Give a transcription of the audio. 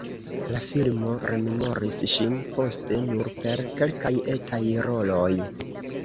La filmo rememoris ŝin poste nur per kelkaj etaj roloj.